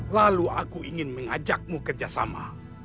lalu aku ingin mengajakmu kerjasama